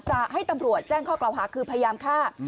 จะให้ตำรวจแจ้งข้อกล่าวหาคือพยายามฆ่า